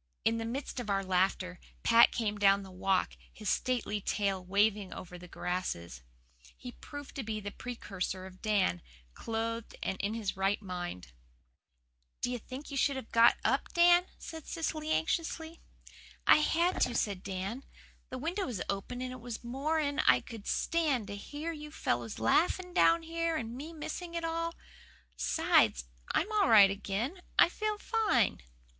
'" In the midst of our laughter Pat came down the Walk, his stately tail waving over the grasses. He proved to be the precursor of Dan, clothed and in his right mind. "Do you think you should have got up, Dan?" said Cecily anxiously. "I had to," said Dan. "The window was open, and it was more'n I could stand to hear you fellows laughing down here and me missing it all. 'Sides, I'm all right again. I feel fine."